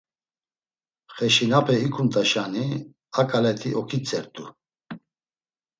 Xeşinape ikumt̆uşani a ǩaleti oǩitzert̆u.